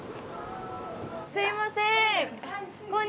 すいません。